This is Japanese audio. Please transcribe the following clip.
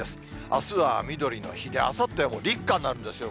あすはみどりの日で、あさっては立夏なんですよ。